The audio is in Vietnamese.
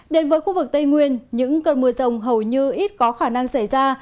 đến với khu vực tây nguyên những cơn mưa rồng hầu như ít có khả năng xảy ra